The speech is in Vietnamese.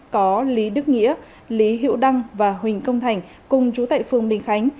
có lý đức nghĩa lý hiệu đăng và huỳnh công thành cùng trú tại phường bình khánh